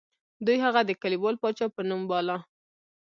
دوی هغه د کلیوال پاچا په نوم باله.